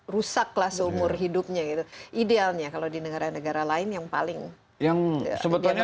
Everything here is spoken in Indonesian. rusaklah seumur hidupnya itu idealnya kalau di negara negara lain yang paling yang sebetulnya